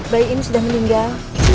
bayi ini sudah meninggal